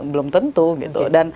belum tentu gitu